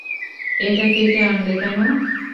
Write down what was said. এটা কেটে আনলে কেন?